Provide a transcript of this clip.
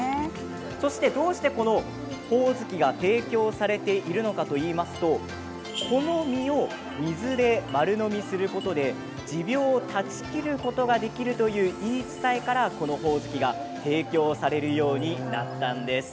そしてどうして、このほおずきが提供されているのかといいますとこの実を水で丸飲みすることで持病を断ち切ることができるという言い伝えからこのほおずきが提供されるようになったんです。